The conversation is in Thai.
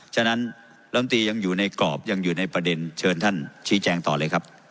ฉะนั้นลำตียังอยู่ในกรอบยังอยู่ในประเด็นเชิญท่านชี้แจงต่อเลยครับ